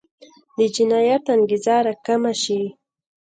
د جنایت انګېزه راکمه شي.